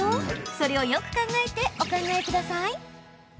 それをよく考えてお答えください。